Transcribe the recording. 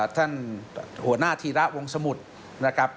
ท่านหัวหน้าธีระวงสมุทรนะครับ